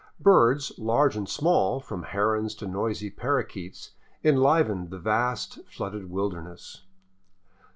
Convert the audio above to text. Birds large and small, from herons to noisy parrakeets, enlivened the vast, flooded wilderness.